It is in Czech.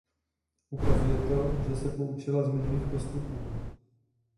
Ukazuje to, že se poučila z minulých postupů.